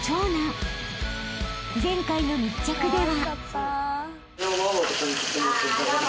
［前回の密着では］